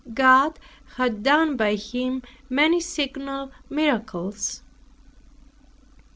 God had done by him many signal miracles.